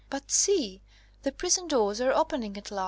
But see, the prison doors are opening at last!"